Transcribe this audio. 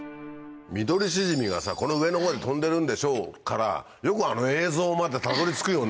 「ミドリシジミがこの上の方で飛んでるんでしょう」からよくあの映像までたどり着くよね。